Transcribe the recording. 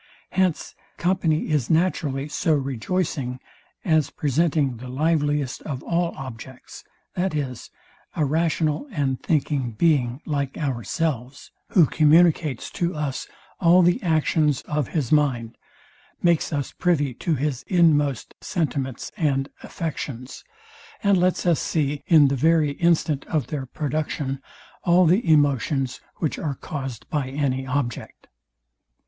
Hence company is naturally so rejoicing, as presenting the liveliest of all objects, viz, a rational and thinking Being like ourselves, who communicates to us all the actions of his mind; makes us privy to his inmost sentiments and affections; and lets us see, in the very instant of their production, all the emotions, which are caused by any object.